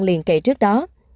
liên kệ trước đó